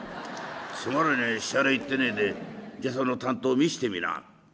「つまらねえシャレ言ってねえでじゃあその短刀見してみな」。